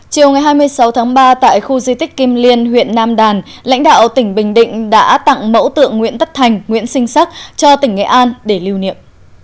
chiều ngày hai mươi sáu tháng ba tại khu di tích kim liên huyện nam đàn lãnh đạo tỉnh bình định đã tặng mẫu tượng nguyễn tất thành nguyễn sinh sắc cho tỉnh nghệ an để lưu niệm